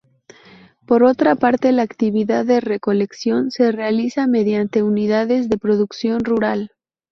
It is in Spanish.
Por otra parte la actividad de recolección se realiza mediante unidades de producción rural.